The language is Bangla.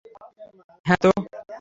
হ্যাঁ, তো?